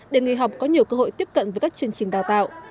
để nghề học có nhiều cơ hội tiếp cận với các chương trình đào tạo